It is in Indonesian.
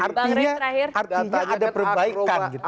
artinya ada perbaikan gitu